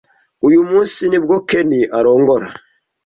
Uyu munsi ni bwo Ken arongora.